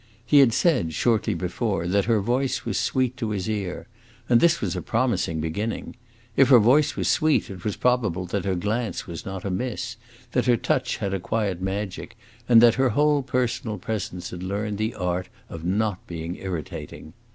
He had said, shortly before, that her voice was sweet to his ear; and this was a promising beginning. If her voice was sweet it was probable that her glance was not amiss, that her touch had a quiet magic, and that her whole personal presence had learned the art of not being irritating.